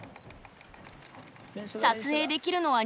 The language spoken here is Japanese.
撮影できるのは２０秒！